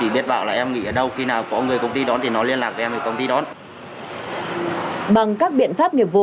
bằng các biện pháp